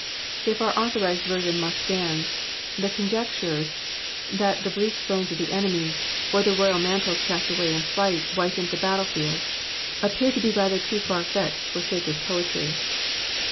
If our authorized version must stand, the conjectures that the bleached bones of the enemy, or the royal mantles cast away in flight, whitened the battle field, appear to be rather too far fetched for sacred poetry.